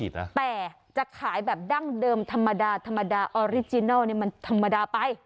แต่จะขายแบบดั้งเดิมธรรมดาธรรมดาออริจินัลมันธรรมดาไป